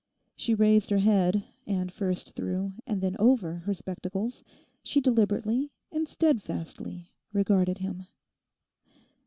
She raised her head, and first through, and then over her spectacles she deliberately and steadfastly regarded him.